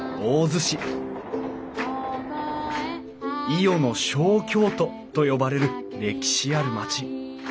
伊予の小京都と呼ばれる歴史ある町。